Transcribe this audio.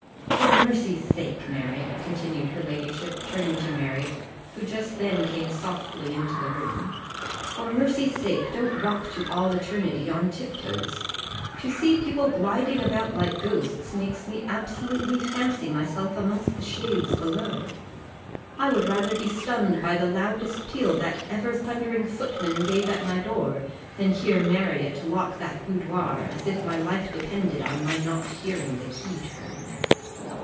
For mercy's sake, Marriott," continued her ladyship, turning to Marriott, who just then came softly into the room, "for mercy's sake, don't walk to all eternity on tiptoes: to see people gliding about like ghosts makes me absolutely fancy myself amongst the shades below. I would rather be stunned by the loudest peal that ever thundering footman gave at my door, than hear Marriott lock that boudoir, as if my life depended on my not hearing the key turned."